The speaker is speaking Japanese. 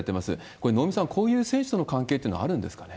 これ能見さん、こういう選手との関係っていうのはあるんですかね。